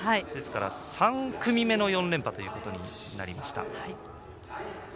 ですから、３組目の４連覇となりました。